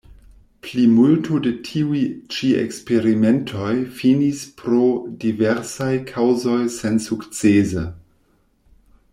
Plimulto de tiuj ĉi eksperimentoj finis pro diversaj kaŭzoj sensukcese.